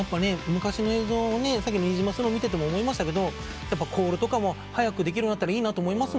昔の映像をさっきニジマスの見てても思いましたがコールとかも早くできるようになったらいいなと思います。